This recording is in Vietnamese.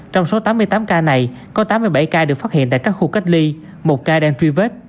trong số tám mươi tám ca này có tám mươi bảy ca được phát hiện tại các khu cách ly một ca đang truy vết